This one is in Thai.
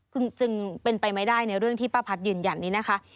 จึงเป็นไปไม่ได้ในเรื่องที่ป้าพัดยืนยันนี้นะคะ